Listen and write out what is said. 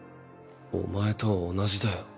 お前と同じだよ。